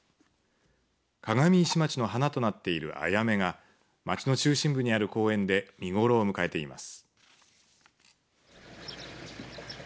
鏡石町の花となっているアヤメが街の中心部にある公園で見頃を迎えています。